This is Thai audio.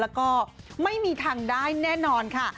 แล้วก็ไม่มีทางได้แน่นอนค่ะ